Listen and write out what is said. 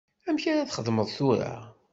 Amek ara txedmeḍ tura?